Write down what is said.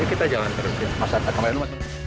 ini kita jalan terus ya